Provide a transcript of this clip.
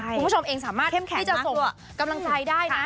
คุณผู้ชมเองสามารถที่จะส่งกำลังใจได้นะ